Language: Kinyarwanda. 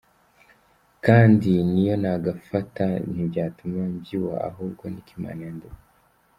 kandi ni yo nagafata ntibyatuma mbyibuha ahubwo ni ko Imana yandemye.